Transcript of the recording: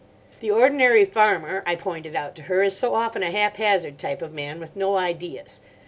"The ordinary farmer," I pointed out to her, "is so often a haphazard type of man with no ideas.